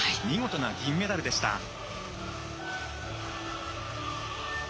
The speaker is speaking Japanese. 見事な銀メダルでした。